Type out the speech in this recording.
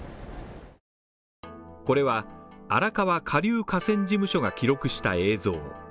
これは、荒川下流河川事務所が記録した映像。